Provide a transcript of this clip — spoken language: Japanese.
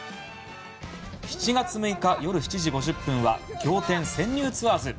７月６日夜７時５０分は「仰天☆潜入ツアーズ！」。